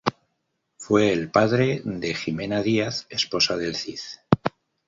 Fue el padre de Jimena Díaz, esposa del Cid.